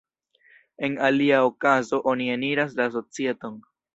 En alia okazo oni eniras la societon.